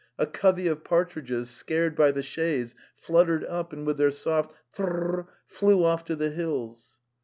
A covey of partridges, scared by the chaise, fluttered up and with their soft "'trrrr!"' flew off to the hills.